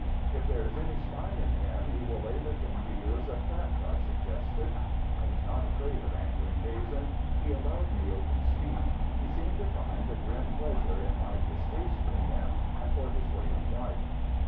"If there is any spine in him he will lay the thing to you as a theft," I suggested. I was not afraid of angering Hazen. He allowed me open speech; he seemed to find a grim pleasure in my distaste for him and for his way of life.